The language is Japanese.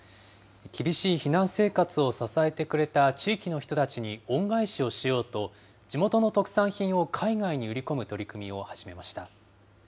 厳しい避難生活を支えてくれた地域の人たちに恩返しをしようと、地元の特産品を海外に売り込む取り組みを始めました。